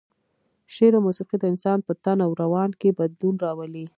شعر او موسيقي د انسان په تن او روان کې بدلون راولي.